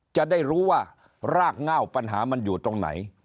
จะได้รู้ว่ารากเง่าปัญหามันอยู่ตรงไหน